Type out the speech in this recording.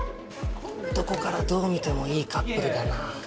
どこからどう見てもいいカップルだなぁ。